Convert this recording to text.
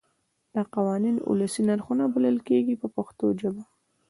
دا قوانین ولسي نرخونه بلل کېږي په پښتو ژبه.